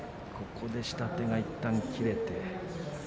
下手がいったん切れて。